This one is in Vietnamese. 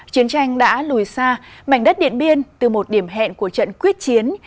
chiến tranh đã lùi xa mảnh đất điện biên từ một điểm hẹn của trận quyết chiến